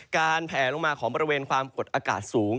แผลลงมาของบริเวณความกดอากาศสูง